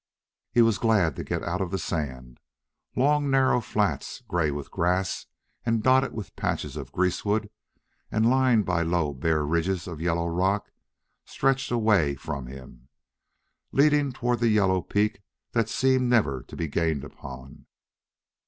He was glad to get out of the sand. Long narrow flats, gray with grass and dotted with patches of greasewood, and lined by low bare ridges of yellow rock, stretched away from him, leading toward the yellow peak that seemed never to be gained upon.